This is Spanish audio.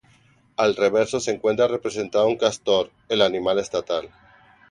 Al reverso se encuentra representado un castor, el animal estatal.